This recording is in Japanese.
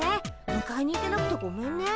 むかえに行けなくてごめんね。